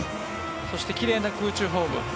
そして奇麗な空中フォーム。